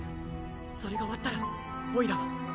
それが終わったらおいらは。